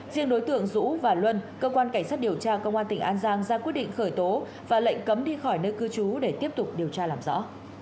riêng đối tượng dũ và luân cơ quan cảnh sát điều tra công an tỉnh an giang ra quyết định khởi tố và lệnh cấm đi khỏi nơi cư trú để tiếp tục điều tra làm rõ